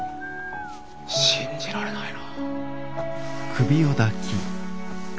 信じられないな。